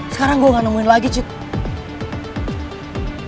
sekarang gue gak nemuin lagi cik